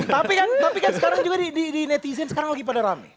tapi kan tapi kan sekarang juga di netizen sekarang lagi pada rame